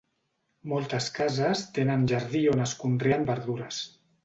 Moltes cases tenen jardí on es conreen verdures.